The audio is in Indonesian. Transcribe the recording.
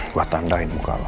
gua tandai duk al